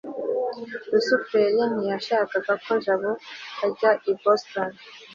rusufero ntiyashakaga ko jabo ajya i boston